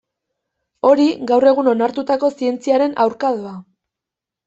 Hori, gaur egun onartutako zientziaren aurka doa.